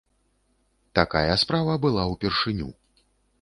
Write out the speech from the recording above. Такая справа была ўпершыню.